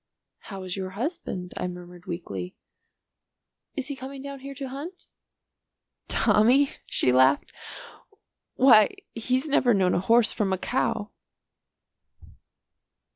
"How is your husband?" I murmured weakly. "Is he coming down here to hunt?" "Tommy?" she laughed. "Why he's never known a horse from a cow."